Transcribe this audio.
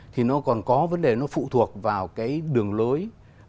thì nó còn có vấn đề nó phụ thuộc vào cái đường lối